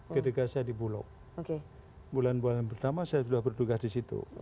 ketika saya di bulog bulan bulan pertama saya sudah berduga di situ